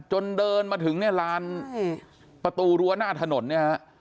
จนเดินมาถึงร้านประตูรั้วหน้าถนน